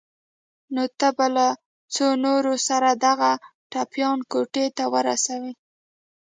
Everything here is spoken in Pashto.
نو ته به له څو نورو سره دغه ټپيان کوټې ته ورسوې.